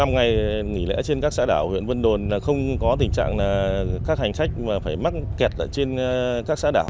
năm ngày nghỉ lễ trên các xã đảo huyện vân đồn không có tình trạng các hành khách phải mắc kẹt trên các xã đảo